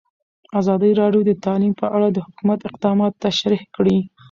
ازادي راډیو د تعلیم په اړه د حکومت اقدامات تشریح کړي.